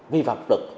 vi phạm đực